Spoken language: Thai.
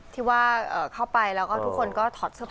ที่ว่าเข้าไปแล้วก็ทุกคนก็ถอดเสื้อผ้า